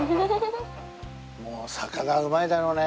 もう魚うまいだろうね。